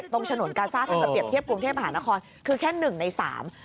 ฉนวนกาซ่าถ้าเกิดเรียบเทียบกรุงเทพหานครคือแค่หนึ่งในสาม